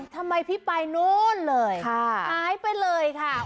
ทำไมพี่ไปนู้นเลยหายไปเลยค่ะ